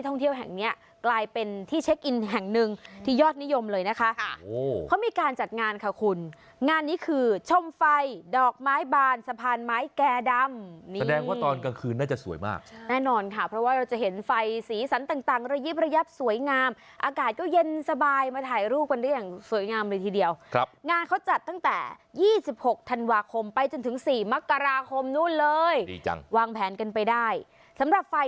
นะคะเขามีการจัดงานค่ะคุณงานนี้คือชมไฟดอกไม้บานสะพานไม้แก่ดำนี่แสดงว่าตอนกลางคืนน่าจะสวยมากแน่นอนค่ะเพราะว่าเราจะเห็นไฟสีสันต่างระยิบระยับสวยงามอากาศก็เย็นสบายมาถ่ายรูปมันได้อย่างสวยงามเลยทีเดียวครับงานเขาจัดตั้งแต่๒๖ธันวาคมไปจนถึง๔มกราคมนู้นเลยดีจังวางแผนกันไปได้สำหรับไ